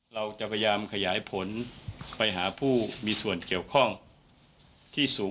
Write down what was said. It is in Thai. จากนั้นก็จะนำมาพักไว้ที่ห้องพลาสติกไปวางเอาไว้ตามจุดนัดต่าง